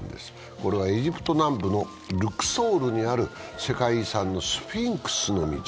これはエジプト南部のルクソールにある世界遺産のスフィンクスの道。